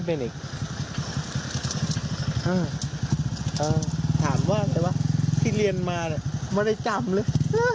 อ้าวถามว่าใช่เปล่าที่เรียนมามันไม่ได้จำเลย